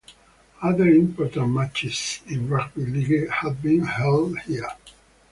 Other important matches in Rugby League have been held here.